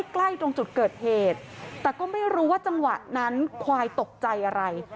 ใกล้ตรงจุดเกิดเหตุแต่ก็ไม่รู้ว่าจังหวะนั้นควายตกใจอะไร